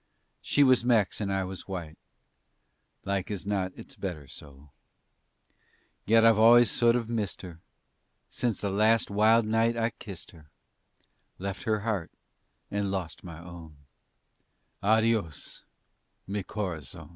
She was Mex and I was white; Like as not it's better so. Yet I've always sort of missed her Since that last wild night I kissed her, Left her heart and lost my own "Adios, mi corazon!"